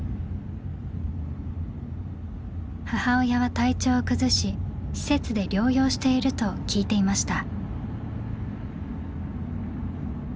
母親は体調を崩し施設で療養していると聞いていました。